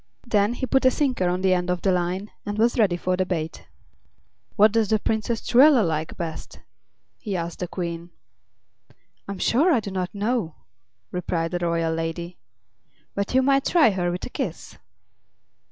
Then he put a sinker on the end of the line and was ready for the bait. "What does the Princess Truella like best?" he asked the Queen. "I'm sure I do not know," replied the royal lady; "but you might try her with a kiss."